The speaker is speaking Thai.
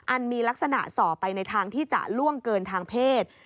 มีลักษณะส่อไปในทางที่จะล่วงเกินทางเพศ